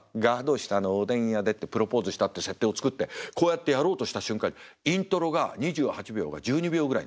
下のおでん屋で」ってプロポーズをしたって設定を作ってこうやってやろうとした瞬間にイントロが２８秒が１２秒ぐらいになった。